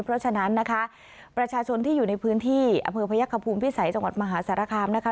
เพราะฉะนั้นนะคะประชาชนที่อยู่ในพื้นที่อำเภอพยักษภูมิพิสัยจังหวัดมหาสารคามนะคะ